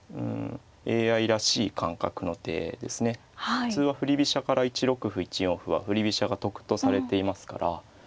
普通は振り飛車から１六歩１四歩は振り飛車が得とされていますから。